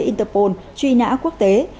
interpol truy nã quốc tế